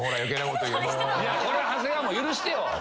これは長谷川も許してよ。